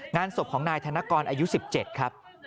งานศพของนายธนกรอายุ๑๗ครับ